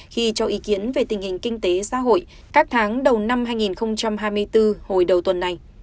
khi cho ý kiến về tình hình kinh tế xã hội các tháng đầu năm hai nghìn hai mươi bốn hồi đầu tuần này